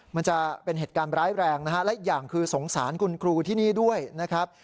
มันจะเป็นเหตุการณ์ร้ายแรงนะฮะและอีกอย่างคือสงสารคุณครูที่นี่ด้วยนะครับ